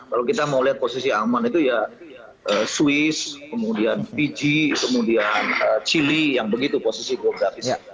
kalau kita mau lihat posisi aman itu ya swiss kemudian fiji kemudian chile yang begitu posisi geografis